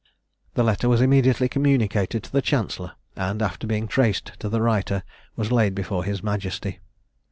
The letter was immediately communicated to the chancellor, and, after being traced to the writer, was laid before his majesty.